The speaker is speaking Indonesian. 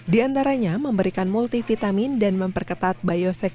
di antaranya memberikan multivitamin dan memperketat biosecurity kandang sapi masing masing